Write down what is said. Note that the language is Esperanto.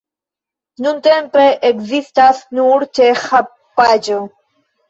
Nuntempe ekzistas nur ĉeĥa paĝo.